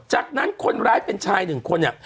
จากนั้นคนร้ายเป็นชายหนึ่งคนเนี่ย